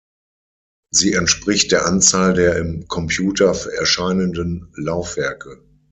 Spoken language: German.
Sie entspricht der Anzahl der im Computer erscheinenden Laufwerke.